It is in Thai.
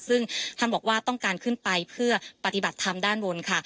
ซึ่งท่านบอกว่าต้องการขึ้นไปเพื่อปฏิบัติธรรมด้านบนค่ะ